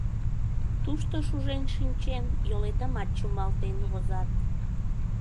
— Тушто шужен шинчен, йолетымат чумалтен возат.